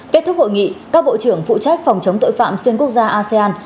kết thúc hội nghị các bộ trưởng phụ trách phòng chống tội phạm xuyên quốc gia asean